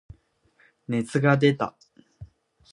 熱が出た。